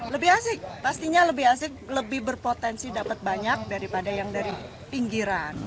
lebih asik pastinya lebih asik lebih berpotensi dapat banyak daripada yang dari pinggiran